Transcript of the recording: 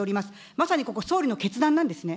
まさにここ、総理の決断なんですね。